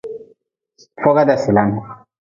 Hoga dasilan.